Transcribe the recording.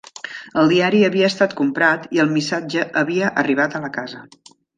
El diari havia estat comprat i el missatge havia arribat a la casa.